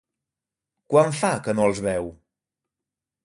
Quant fa que no els veu?